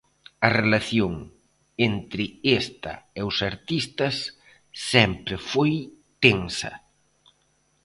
A relación entre esta e os artistas sempre foi tensa.